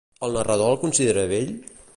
El narrador el considera bell?